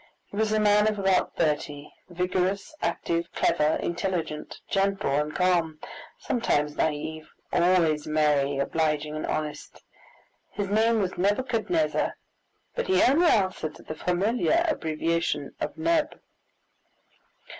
He was a man of about thirty, vigorous, active, clever, intelligent, gentle, and calm, sometimes naive, always merry, obliging, and honest. His name was Nebuchadnezzar, but he only answered to the familiar abbreviation of Neb.